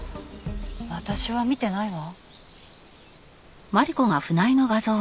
私は見てないわ。